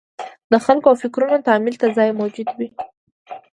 د خلکو او فکرونو تامل ته ځای موجود وي.